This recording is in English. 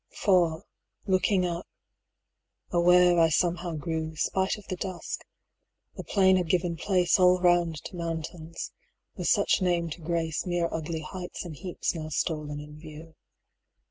For, looking up, aware I somehow grew, 'Spite of the dusk, the plain had given place All round to mountains with such name to grace 165 Mere ugly heights and heaps now stolen in view.